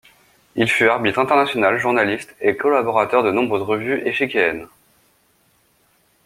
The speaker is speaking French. Il fut arbitre international, journaliste et collaborateur de nombreuses revues échiquéennes.